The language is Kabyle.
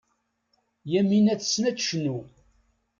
Yamina tessen ad tecnu.